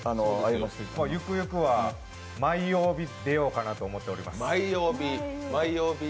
ゆくゆくは毎曜日出ようと思っています。